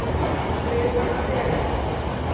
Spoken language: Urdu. انگریز کہاں سے آئے؟